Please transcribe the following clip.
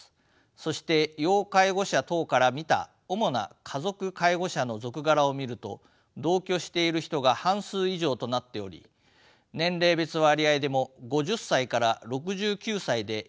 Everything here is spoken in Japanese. そして要介護者等から見た主な家族介護者の続柄を見ると同居している人が半数以上となっており年齢別割合でも５０歳６９歳で約半数を占めています。